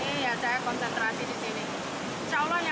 insya allah yang lain berjalan dengan baik